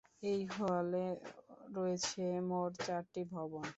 এই হলে রয়েছে মোট চারটি ভবন।